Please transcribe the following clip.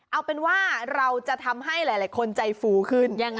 เอาเป็นว่าเราจะทำให้หลายคนใจฟูขึ้น